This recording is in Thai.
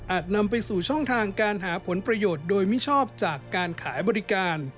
นำไปสู่ช่องทางการหาผลประโยชน์โดยมิชอบจากการขายบริการ